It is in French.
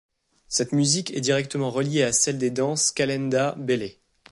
Cette musique est directement reliée à celle des danses Kalennda-Bèlè.